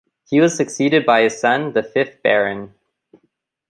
He was succeeded by his son, the fifth Baron.